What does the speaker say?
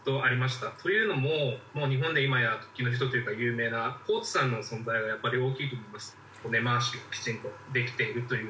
というのも日本で今や時の人というか有名なコーツさんの存在がやっぱり大きいと思います。